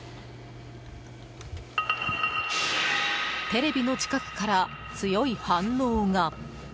テレビの近くから強い反応が。